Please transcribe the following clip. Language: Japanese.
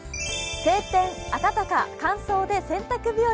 晴天・暖か・乾燥で洗濯日和。